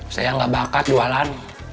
saya nggak bakat jualan